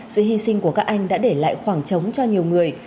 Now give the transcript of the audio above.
sự hy sinh của các anh đã để lại khoảng trống cho nhiều người